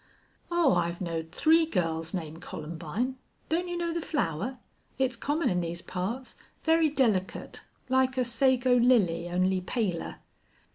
"Oh, I've knowed three girls named Columbine. Don't you know the flower? It's common in these parts. Very delicate, like a sago lily, only paler."